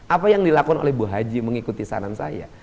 apa yang dilakukan bu haji mengikuti sanan saya